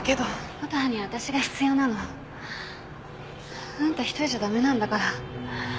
琴葉には私が必要なの。あんた一人じゃ駄目なんだから。